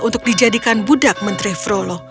untuk dijadikan budak menteri flau lau